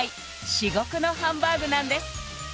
至極のハンバーグなんです